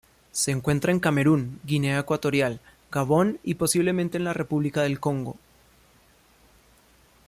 Se encuentra en Camerún, Guinea Ecuatorial, Gabón y, posiblemente en la República del Congo.